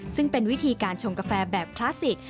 ซึ่งเป็นวิธีการชงกาแฟแบบคลาสสิก